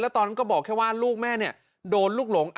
ตอนนั้นก็บอกแค่ว่าลูกแม่โดนลูกหลง